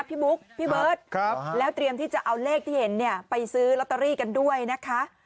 พี่บุ๊คพี่เบิร์ตแล้วเตรียมที่จะเอาเลขที่เห็นเนี่ยไปซื้อลอตเตอรี่กันด้วยนะคะ